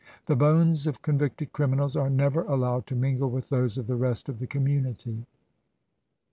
The bones of con victed criminals are never allowed to mingle with those of the rest of the community.